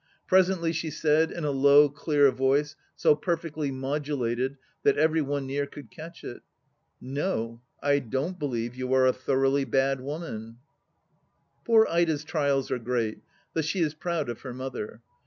Presently she said, in a low clear voice so perfectly modulated that every one near could catch it :" No, I don't believe you are a thoroughly bad woman 1 " Poor Ida's trials are great, though she is proud of her mother.